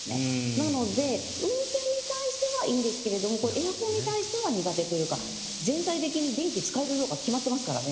なので、運転に対してはいいんですけれどエアコンに対しては苦手というか全体的に電気を使える量が決まっていますからね。